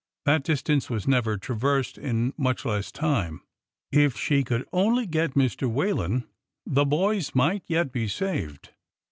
That distance was never traversed in much less time. If she could only get Mr. Whalen, the boys might yet be saved